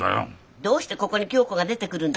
どうしてここに響子が出てくるんです？